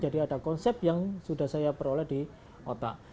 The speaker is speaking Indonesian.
jadi ada konsep yang sudah saya peroleh di kotak